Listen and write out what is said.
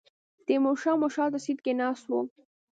تیمور شاه مو شاته سیټ کې ناست و.